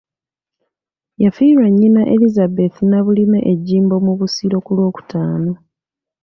Yafiirwa Nnyina Elizabeth Nabulime e Gimbo mu Busiro ku Lwokutaano.